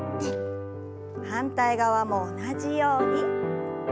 反対側も同じように。